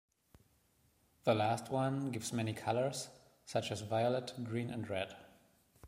The last one gives many colors such as violet, green and red.